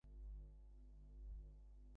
বুঝতে বাকি নেই আমি কাছে থাকলে একেবারেই চলবে না।